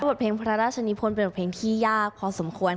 เพลงพระราชนิพลเป็นบทเพลงที่ยากพอสมควร